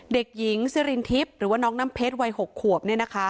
เด็กหญิงซิรินทิพย์หรือว่าน้องน้ำเพชรวัย๖ขวบ